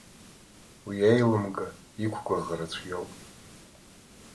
Уи аилымга, иқәгәыӷра цәгьоуп.